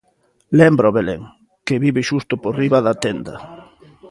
Lémbrao Belén, que vive xusto por riba da tenda.